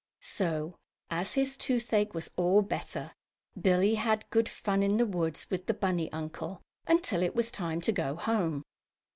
So, as his toothache was all better, Billie had good fun in the woods with the bunny uncle, until it was time to go home.